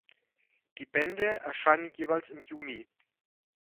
Die Bände erscheinen jeweils im Juni.